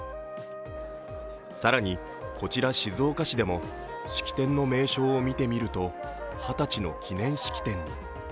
更に、こちら静岡市でも式典の名称を見てみると「二十歳の記念式典」に。